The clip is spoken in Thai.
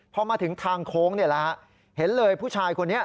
พอมาถึงทางโค้งเนี่ยนะฮะเห็นเลยผู้ชายคนนี้